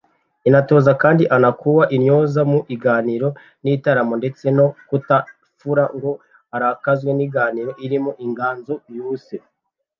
inatoza kandi antu kua intyoza mu iganiro n’iitaramo ndetse no kuta iifura ngo arakazwe n’iiganiro irimo inganzo y’uuse